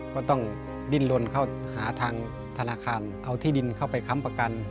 ก็ต้องดิ้นลนเข้าหาทางธนาคารเอาที่ดินเข้าไปค้ำประกัน